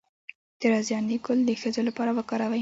د رازیانې ګل د ښځو لپاره وکاروئ